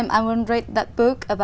những khó khăn